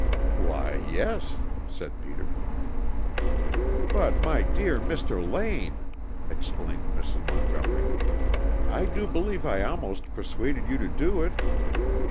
_" "Why, yes," said Peter. "But, my dear Mr. Lane!" exclaimed Mrs. Montgomery. "I do believe I almost persuaded you to do it!"